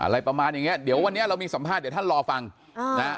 อะไรประมาณอย่างเงี้เดี๋ยววันนี้เรามีสัมภาษณ์เดี๋ยวท่านรอฟังอ่านะฮะ